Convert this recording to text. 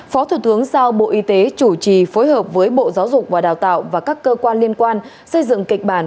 phó thủ tướng giao bộ y tế chủ trì phối hợp với bộ giáo dục và đào tạo và các cơ quan liên quan xây dựng kịch bản